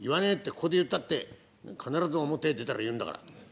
ここで言ったって必ず表へ出たら言うんだから！」。